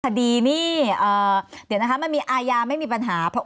คดีนี้มันมีอายาไม่มีปัญหา